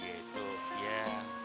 ya terus gitu